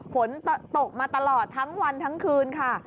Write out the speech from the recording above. ฝนตกมาตลอดทั้งวันทั้งคืนค่ะ